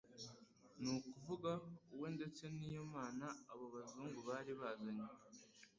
ni ukuvuga we ndetse n'iyo Mana abo bazungu bari bazanye ;